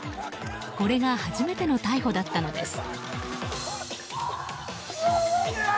これが初めての逮捕だったのです。